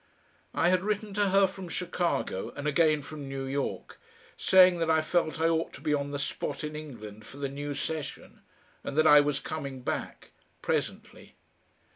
I had written to her from Chicago and again from New York, saying that I felt I ought to be on the spot in England for the new session, and that I was coming back presently.